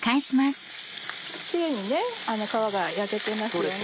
キレイに皮が焼けていますよね。